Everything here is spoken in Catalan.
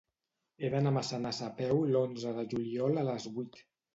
He d'anar a Massanassa a peu l'onze de juliol a les vuit.